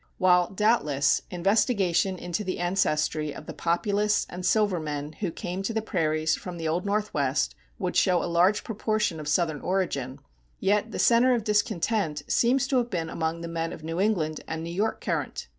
While, doubtless, investigation into the ancestry of the Populists and "silver men" who came to the prairies from the Old Northwest would show a large proportion of Southern origin, yet the center of discontent seems to have been among the men of the New England and New York current.